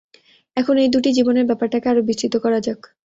এখন এই দুটি জীবনের ব্যাপারটাকে আরো বিস্তৃত করা যাক।